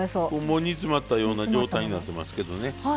もう煮詰まったような状態になってますけどね。